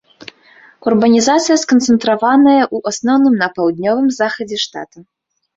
Урбанізацыя сканцэнтраваная ў асноўным на паўднёвым захадзе штата.